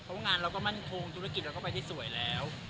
เพราะงานเราก็มั่นคงธุรกิจเราก็ไปที่สวยแล้ว